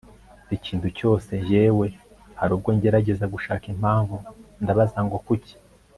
buri kintu cyose njyewe hari ubwo ngerageza gushaka impamvu, ndabaza ngo kuki